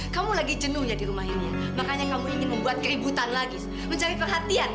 kenapa aku perlu buat gini sih